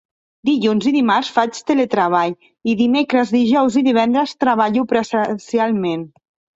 Dilluns i dimarts faig teletreball i dimecres, dijous i divendres treballo presencialment.